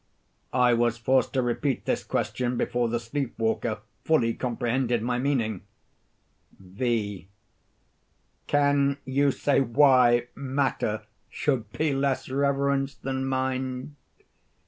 [I was forced to repeat this question before the sleep waker fully comprehended my meaning.] V. Can you say why matter should be less reverenced than mind?